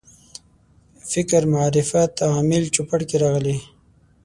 فکر معرفت عامل چوپړ کې راغلي.